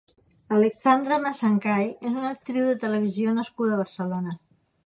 Alexandra Masangkay és una actriu de televisió nascuda a Barcelona.